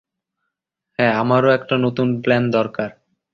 হ্যা, আমার একটা নতুন প্ল্যান দরকার।